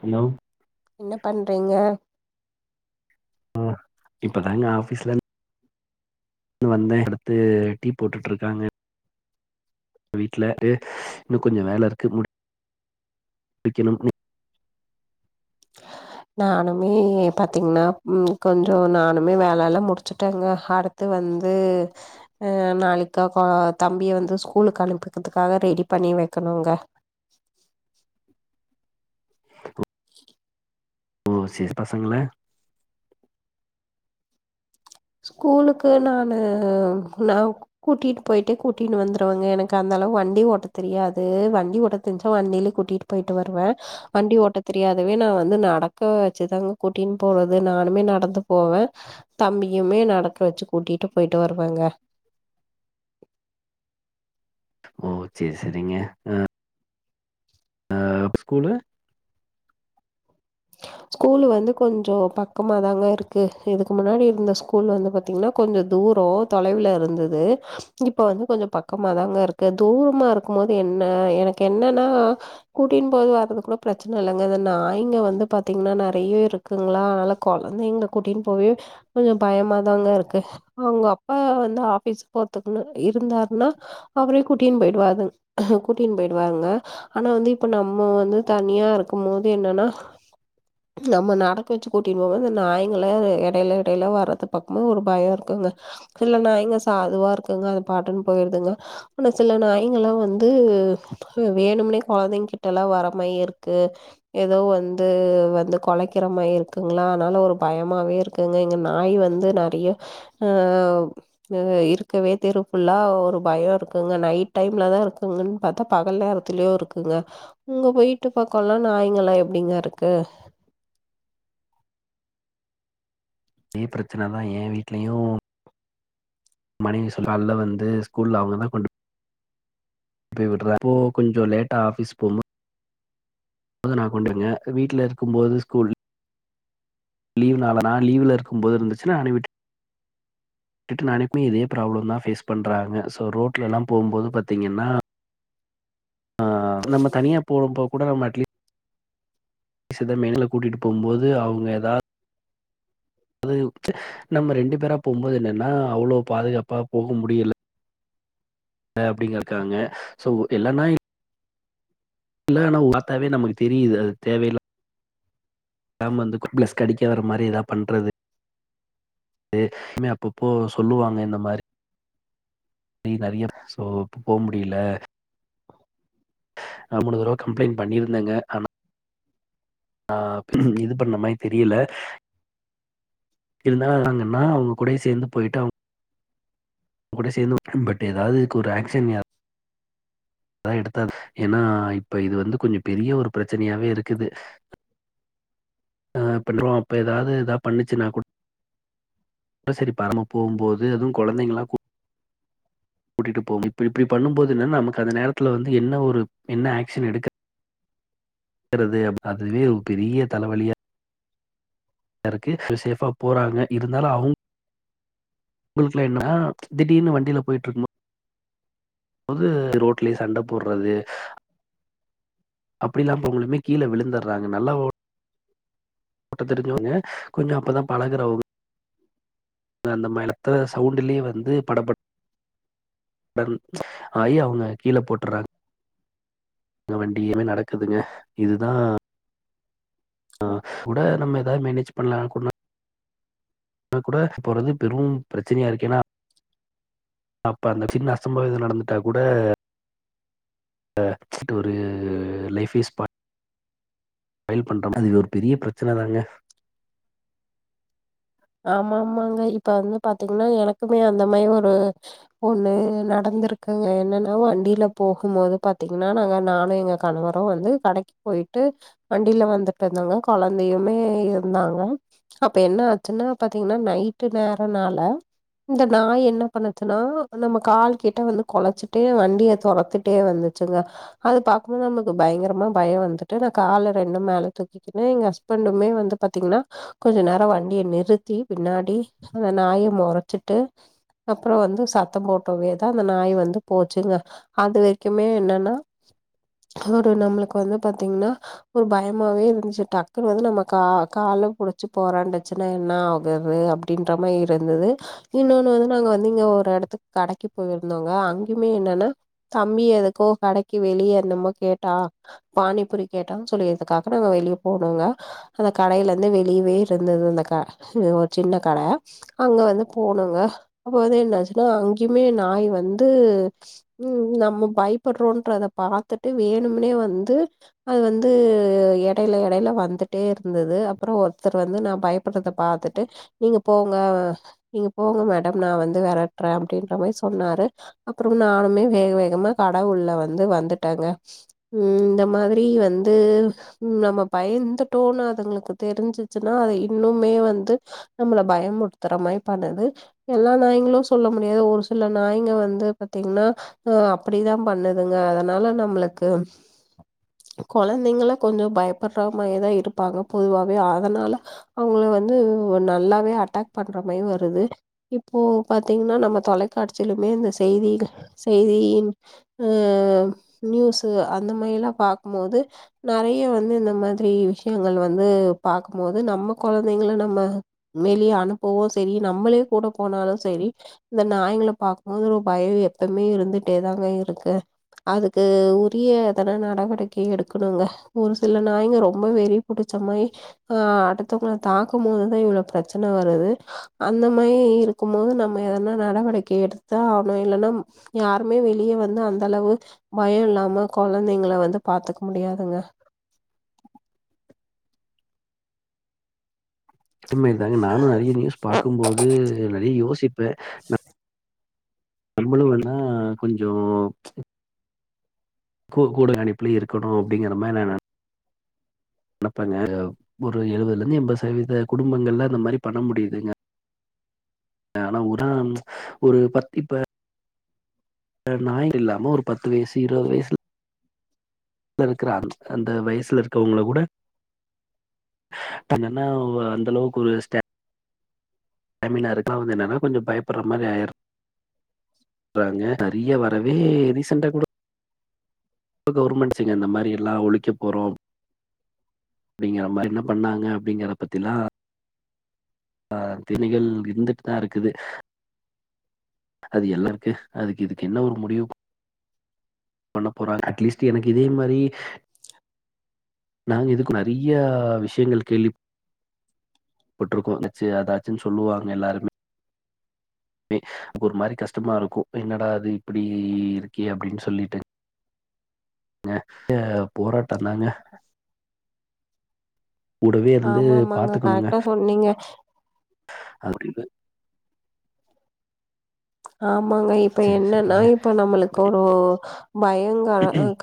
Hello என்ன பண்றீங்க? அ இப்பதாங்க ஆஃபீஸ்லர்ந் து வந்தே அடுத்து டீ போட்டுட்ருக்காங்க வீட்லட்டு இன்னு கொஞ்ச வேல இருக்கு முடிக்கனும் இனி நானுமே பாத்தீங்னா கொஞ்சோ நானுமே வேலல்லா முடிச்சுட்டேங்க அடுத்து வந்து ஆ நாளைக்கு தம்பிய வந்து ஸ்கூலுக்கு அனுப்பத்துக்காக ரெடி பண்ணி வெக்கணுங்க ஓ செரி பசங்கள ஸ்கூலுக்கு நானு நா கூட்டிட்டு போய்டு கூட்டினு வந்துருவங்க எனக்கு அந்த லா வண்டி ஓட்ட தெரியாது வண்டி ஓட்ட தெரிஞ்சா வண்டிய்லே கூட்டிட்டு போய்டு வருவே வண்டி ஓட்ட தெரியாது இதவே நா வந்து நடக்க வச்சுதாங்க குட்டின் போறது நானுமே நடந்து போவே தம்பி யுமே நடக்க வெச்சு கூட்டிட்டு போய்ட்டு வருவங்க ஓ சேர் சேரிங்க ஆ ஆ அப்ப ஸ்கூலு ஸ்கூல் வந்து கொஞ்சோ பக்கமாதாங்க இருக்கு இதுக்கு முன்னாடி இருந்த ஸ்கூல் வந்து பாத்தீங்கன்னா கொஞ்சோ தூ தூரோ தொலைவுல இருந்தது இப்ப வந்து கொஞ்சோ பக்கமாதாங்க இருக்கு தூரமா இருக்குமோது என்ன ஆ எனக்கென்னன்னா கூட்டின் போய் வர்றது கூட ப்ரச்சன இல்லங்க இந்த நாய்ங்க வந்து பாத்தீங்கனா நறைய இருக்குங்ளா அனால கொழந்தைங்ள கூட்டின் போவே கொஞ்சோ பயமாதாங்க இருக்கு அவுங்க அப்பா வந்து ஆஃபீஸ் போரத்துக்குனா இருந்தார்னா அவரே குட்டின் போய்டுவாரு கூட்டின் போய்டுவாங்க ஆனா வந்து இப்ப நம்ம வந்து தனியா இருக்குமோது என்னன்னா நம்ம நடக்க வெச்சு கூட்டின் போவ இந்த நாய்ங்களா எடைல எடைல வரத பாக்குமோ ஒரு பயோ இருக்குங்க சில நாய்ங்க சாதுவா இருக்குங்க அது பாட்டுன் போய்ருதுங்க ஆனா சில நாய்ங்களா வந்து வேணும்னே கொழந்தைங் கிட்டலா வர மாரி இருக்கு எதோ வந் து வந்து கொலைக்கிறமாரி இருக்குங்ளா அன்னால ஒரு பயமாவே இருக்குங்க இங்க நாய் வந்து நறைய ஆ இருக்கவே தெரு ஃபுல்லா ஒரு பயோ இருக்குங்க நைட் டைம்லதா தா இருக்குங்கன் பாத்தா பகல் நேரத்துலயு இருக்குங்க உங்க வீட்டு பக்கோல்லா நாய்ங்களா எப்டிங்க இருக் கு தே ப்ரச்சனதா எ வீட்லயு மனைவி சோ கால்ல வந்து ஸ்கூல்ல அவுங்கதா கொண்டு போய் விட்றப்போ கொஞ்சோ லேட்டா ஆஃபீஸ் போமொ போது நா கொண்டுவங்க வீட்ல இருக்கு போது ஸ்கூல் லீவ்னாளனா லீவ்ல இருக்கும் போது இருந்துச்சுனா நானே விட் டுட்டு நானே போய் இதே ப்ராப்ளம்தா ஃபேஸ் பண்றாங்க சோ ரோட்லலா போம்போது பாத்தீங்கன்னா ஆ நம்ம தனியா போம்போ கூட நம்ம அட்லீஸ்ட் த மேல கூட்டிட்டு போம்போது அவுங்க எதா அது நம்ம ரெண்டு பேரா போம்போது என்னன்னா அவ்ளோ பாதுகாப்பா போக முடியல அ அப்டிங் இருக்காங்க சோ இல்லன்னா இப் ல்லன பாத்தாவே நமக்கு தெரிது அது தேவயில்ல நம்ம அந்த கூப்லஸ் கடிக்க வர மாரி எதா பண்றது எ அப்பப்போ சொல்லுவாங்க இந்த மாரி ரி நறிய சோ போ முடியல நா மூணுதடவ கம்ப்ளைண்ட் பண்ணிருந்தங்க ஆனா ஆ இது பண்ண மாரி தெரியல இருந்தாங்கன்னா அவுங்க கூடயே சேந்து போய்டு அவு கூட சேந்து பட் எதாது இதுக் ஒரு ஆக்க்ஷன் அதா எடுத்தாது எனா இப்ப இது வந்து கொஞ்சோ பெரிய ஒரு ப்ரச்சனயாவே இருக்குது ஆ பண்றோ அப்ப ஏதாது ஏதா பண்ணுச்சுனா கூட் அப்ப சேரி பரம்ப போம்போது அதுவு கொழந்தைங்களா கூட்டிட்டு போம்போ இப்டி இப்டி பண்ணும்போது என்னன்னா நமக் அந்த நேரத்துல வந்து என்ன ஒரு என்ன ஆக்க்ஷன் எடுக்க கறது அப் அதுவே ஒரு பெரிய தலவலியா தாருக்கு சேஃபா போறாங்க இருந்தாலு அவுங் [unintelligible] குள்ள என்னனா திடீனு வண்டியில போயிட்டுருக்கும்போ வந்து ரோட்லியே சண்ட போட்றது அப்படிலாம் போம்பொழுமே கீழ விழுந்துற்றாங்க நல்லா ஓ ஓட்ட தெரிஞ்சவங்க கொஞ்ச அப்பதா பழகுறவங் இந்த மத்த சவுண்டுலியே வந்து படப்ப டன் ஆயி அவுங்க கீழ போட்டுறாங் இந்த வண்டி‌ எல்லாமே நடக்குதுங்க இதுதா ஆ கூட நம்ம எதா மேனேஜ் பண்லா கூ கூட போறது பெரும் ப்ரெச்சனயா இருக்கு ஏன்னா அப்ப அந்த சின்ன அசம்பாவிதம் நடந்துட்டா கூட த இது ஒரு லைஃப்பே ஸ்பா யில் பண்ற மாரி அது ஒரு பெரிய ப்ரெச்சன தாங்க ஆமா ஆமாங்க இப்ப வந்து பாத்தீங்ன்னா எனக்குமே அந்த மாரி ஒரு ஒண்ணு நடந் ந்துருக்குங்க என்னன்னா வண்டில போகும்மோது பாத்தீங்கன்னா நாங்க நானு எங்க கணவரு வந்து கடைக் போய் போய்ட்டு வண்டில வந்துட்டுருந்தங்க கொழந்தையுமே இருந்தாங்க அப்ப என்ன ஆ ச்சின்னா பாத்தீங்கன்னா நைட்டு நேரனால இந்த நாய் என்ன பண்ணச்சுனா நம்ம கால் கிட்ட வந்து கொலச்சுட்டே வண்டிய தொரத்திட்டே வந்து வெச்சுங்க அது பாக்கும் போது நமக்கு பயங்கரமா பயோ வந்துட்டு நா கால ரெண்டு மேல தூக்கிகினு எங் ஹஸ் பண்டுமே வந்து பாத்தீங்ன்னா கொஞ்ச நேரோ வண் டிய நிறுத்தி பின்னாடி அந்த நாய மொறச்சிட்டு அப்புறோ வந்து சத்தம் போட்டவே தா அந்த நாய் வந்து போச்சுங்க அது வெரிக்குமே என்னன்னா ஒரு நம்ளுக்கு வந்து பாத்தீங்ன்னா ஒர் பயமாவே இருந்ச்சு டக்குனு வந்து நம்ம கா கா கால் புடிச்சு பொறாண்டு ப்ரெச்சனா என்ன ஆகுது அப்டின்ற மாரி இருந்தது இன்னொன்னு வந் நாங்க வந்து இங்க ஒர் எடத்துக் கடைக்கி போயிருந்தோங்க அங்கயுமே என்னன்னா தம்பி எதுக்கோ கடைக்கி வெளியே என்னமோ கேட்டா பானிபுரி கேட்டான் சொல்லிய இதுக்காக நாங்க வெளியே போனுங்க அந்த கடையிலெந்து வெளகவே இருந்தது அந்த க ஒர் சின்ன கட அங்க வந்து போனுங்க அப்ப வந்து என்னச்சுன்னா அங்க்யுமே நா நாய் வந்து ம் நம்ம பயப்படுறோன்றத பாத்துட்டு வேணும்முனே வந்து அது வந்து எடையில எடையில வந்துட்டே இருந்தது அப்றோ ஒர்த்தர் வந்து நா பயப் பட்றத பாத்துட்டு நீங்க போங்க அ நீங்க போங்க மேடம் நா வந்து வெரட்றே அப்படின்ற மாரி சொன்னாரு அப்புறம் நானுமே வேக வேகமா கட உள்ள வந்து வந்துட்டேங்க ம் இந்த மாதிரி வந்து நம்ம பயந்துட்டோன்னு அதுங்ளுக்கு தெரிஞ்சிச்சுன்னா அது இன்னுமே வந்து நம்மள பயமுற்த்துற மாரி பண்ணுது எல்லா நாயங்களு சொல்ல முடியாது ஒரு சில நாய்ங்க வந்து பாத்தீங்கின்னா அ அப்படிதா பண்ணுதுங்க அதனால நம்ளுக்கு கொழந்தைங்கள கொஞ்சோ பயப்பட்றமாரிதா இருப்பாங்க பொதுவாவே அதனால அவங்கள வந்து நல்லாவே அட்டாக் பண்ற மாரி வருது இப்போ பாத்தீங்ன்னா நம்ம தொலை காட்சிலுமே இந்த செய்திக செய்தியின் அ ம் நியூஸு அந்த மா ரிலா பாக்கும்மோது நறைய வந்து இந்த மாதிரி விஷ்யங்கள் வந்து பாக்கும்மோது நம்ம கொழந்தைங்கள நம்ம வெளிய அனுப்போவு செரி நம்மளே கூட போனாலு செரி இந்த நாய் ங்கள பாக்கும்போது ரொ பய எப்பவ்மே இருந்துட்டே தாங்க இருக்கு அதுக்கு உரிய எதனா நடவடிக்கை எடுக்கணுங்க ஒரு சில நாய்ங்க ரொம்ப வெறி புடி ச்ச மாரி அ அடுத் தவ்ங்ள தாக்கும் போதுதா இவளோ ப்ரெச்சன வருது அந்த மாயி இருக்கும்மோத் நம்ம எதனா நட வடிக்கை எடுத்தா ஆவ்னு இல்லன்னம் யாருமே வெளிய வந்து அந்தளவு பயோ இல்லாம கொழந் திங்கள வந்து பாத்துக் முடியாதுங்க இதுமேரி எதாச்சு நானு நெறிய நியூஸ் பாக்கும்போது நறி யோசிப்பே நம்பளு வேண்ணா கொஞ்சோ கு கூட கணிப்புலே இருக்கணு அப்படிங்கற மாரி நா நெ னப்பங்க ஒரு எழுவத்லந்து எம்பது சதவீத குடும்பங்கள்ல இந்த மாரி பண்ண முடிதுங்க ஆனா உதா ஒரு பத்திப்ப நாய்ங்க இல்லாம ஒரு பத்து வயசு இருபது வயசு இப்ப இருக்கிற அந்த வயசுல இருக்கவங்கள கூட இப்ப என்னன்னா அந்தளவுக்கு ஒரு ஸ்ட டாமினா ரெண்டாவது என்னன்னா கொஞ்ச பயப்பட்ற மாரி ஆயிரு றாங்க நறிய வரவே ரீசண்ட்டா கூட இப்ப கவுர்மெண்ட் செஞ்ச இந்த மாரி எல்லா ஒழிக்க போறோம் அப்படிங்கற மாரி என்ன பண்ணாங்க அப்படிங்கற பத்தில்லா அ திணிகள் இருந்துட்டு தா இருக்குது அது எல்லாருக்கு அதுக்கு இதுக்கு என்ன ஒரு முடிவு பண்ண போறாங்க அட்லீஸ்ட் எனக்கு இதே மாரி நாங்க இதுக்கு நறையா விஷயங்கள் கேள்வி பட்ருக்கோ இங்க இதாச்சு அதாச்சுன்னு சொல்லுவாங்க எல்லாருமே ரி ஒரு மாரி கஷ்டமாருக்கு என்னடா அது இப்படி இருக்கே அப்படின்னு சொல்லிட்டு ங்க நெறைய போராட்டம் தாங்க கூடவே இருந்து ஆமாம் ஆமாங்க பாத்துக்கணுங்க கரெக்டாக சொன்னீங்க அப்படிதா ஆமாங்க இப்ப என்னன்னா இப்ப நம்மளுக்கு ஒரு பயம் க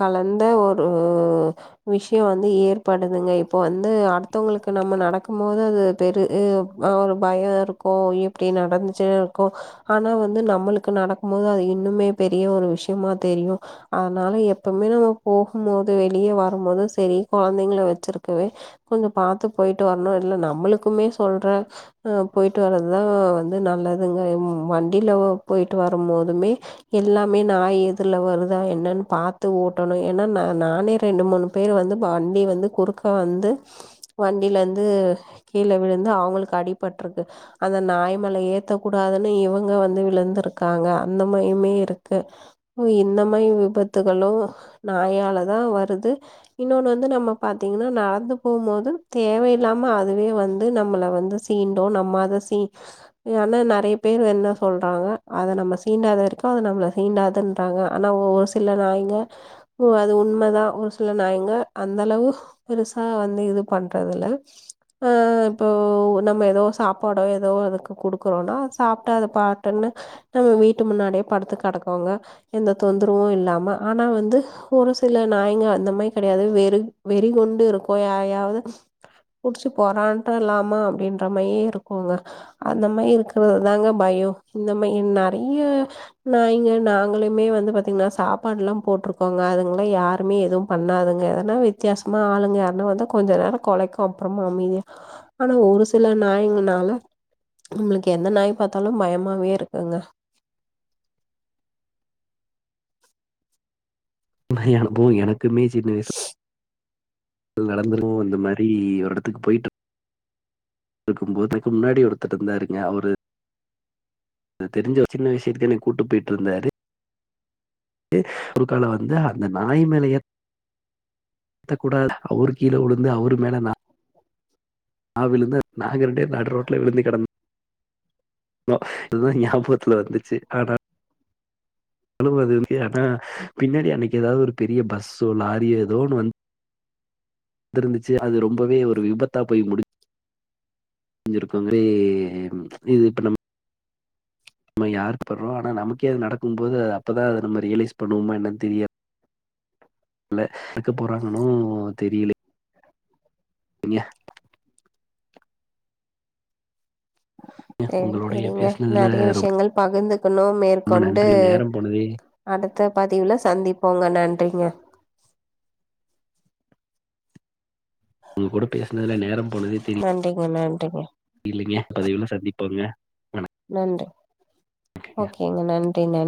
கலந்த ஒ ரு விஷயம் வந்து ஏற்படுதுங்க இப்போ வந்து அடுத்தவங்களுக்கு நம்ம நடக்கும் போது அது தெரு அ ஒரு பயம் இருக்கு எப்படி நடந்துச்சு இருக்கு ஆனா வந்து நம்மளுக்கு நடக்கும் போது அது இன்னுமே பெரிய ஒரு விஷயமா தெரியு அதனால எப்பவுமே நம்ம போகும் போது வெளியே வரும் போது சரி கொழந்தைங்கள வச்சிருக்கவே கொஞ்சம் பாத்து போயிட்டு வரணும் இல் நம்மளுக்குமே சொல்ற அ போயிட்டு வறதுதா வந்து நல்லதுங்க வண் டில போயிட்டு வரம்போதுமே எல்லாமே நாய் எதுர்ல வருதா என்னன்னு பாத்து ஓட்டனு ஏன்னா நா நானே ரெண்டு மூணு பேர் வந்து வண்டி வந்து குறுக்க வந்து வண்டில இருந்து து கீழ விழுந்து அவங்களுக்கு அடிபட்டுருக்கு அந்த நாய்மேல ஏத்தக்கூடாதுன்னு இவங் ங்க வந்து விழுந்துருக்காங்க அந்த மாரிமே இருக்கு ஓ இந்த மாதிரி விபத்துகளும் நாயாலதா வருது இன்னொன்னு வந்து நம்ம பாத்தீங்கன்னா நடந்து போம்போது தேவையில்லா ல்லாம அதுவே வந்து நம்மள வந்து சீண்டு நம்ம அத சீ ஆன்னா நெறைய பேர் என்ன சொல்றாங்க அத நம்ம சீண்டாத வரைக்கு அது நம்மள சீண்டாதுன்றாங்க ஆனா ஒரு சில நாய்ங்க ஓ அது உண்மதா ஒரு சில நாய்ங்க அந்த அளவு பெருசா வந்து இது பண்றதுல அ இப்போ நம்ம ஏதோ சாப்பாடோ ஏதோ அதுக்கு குடுக்குறோனா சாப்ட்டா அது பா டுன்னு நம்ம வீட்டு முன்னாடியே படுத்து கெடக்குங்க எந்த தொந்தரவு இல்லாம ஆனா வந்து ஒரு சில நாய்ங்க அந்த மாரி கெடையாது வெறி வெறிகொண்டு இருக்கு யரையாவது புடிச்சு பொரான்ட்டலாமா அப்படின்ற மாரியே இருக்குங்க அந்த மாரி இருக்கிறது தாங்க பயோ இந்த மாரி நெறைய நாய்ங்க நாங்களுமே வந்து பாத்தீங்ன்னா சாப்பாடு எல்லா போட்டிருக்கோங்க அதுங்கள யாருமே எதுவு பண்ணாதுங்க ஆனா வித்தியாசமா ஆளுங்க யாருன்னா வந்தா கொஞ்ச நேரம் கொலைக்கு அப்பறமா அமைதியா ஆனா ஒரு சில நாய்ங்கனால நம்மளுக்கு எந்த நாய் பார்த்தாலு பயம் மாவே இருக்குங்க பய அனுபவோ எனக்குமே சின்ன வயசி நடந்துருமோ அந்த மாரி ஒரு எடத்துக்கு போயிட் இருக்கும்போது இதுக்கு முன்னாடி ஒருத்தர் இருந்தாருங்க அவரு அது தெரிஞ்ச ஒரு சின்ன விஷயத்துக்கு என்ன கூட்டு போய்ட்டுருந்தாரு ரு குருக்கால வந்து அந்த நாய்மேல ஏத் த்த கூடா அவரு கீழ விழுந்து அவரு மேல நா நா விழுந்து நாங்க ரெண்டு பேரு நடுரோட்ல விழுந்து கெடந் தோ இதுதா ஞாபகத்துல வந்துச்சு ஆனா லும் அது ஆனா பின்னாடி அன்னைக்கு எதாவது ஒரு பெரிய பஸ்ஸோ லாரியோ ஏதோன்னு வந் து இருந்துச்சு அது ரொம்பவே ஒரு விபத்தா போய் முடிஞ் செஞ்சிருக்க மாரி இது இப்ப நம்ம நம்ம யாருக்கு பண்றோ ஆனா நமக்கே அது நடக்கும் போது அப்பதா அத நம்ம ரியலைஸ் பண்ணுவோமா என்னனு தெரியாது ல்ல எறக்க போறாங்கன்னு தெரியலே [unintelligible] செரி உங்களுடைய செரிங்க பேசினதுல நெறைய விஷயங்கள் பகிர்ந்து இருக்கனு ரொம்ப மேற்கொண்டு நன்றி நேரம் போனதே அடுத்த பதிவுல சந்திப்போங்க நன் றிங்க உங்க கூட பேசுனதுல நேரோ போனதே தெரி நன்றிங்க நன்றிங்க ங்க பதவுல சந்திப்போங்க வணக்கங்க நன்றி ஓகேங்க நன்றி நன்